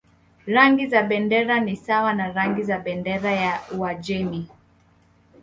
Rangi za bendera ni sawa na rangi za bendera ya Uajemi.